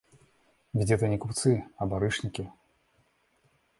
Ведь это не купцы, а барышники.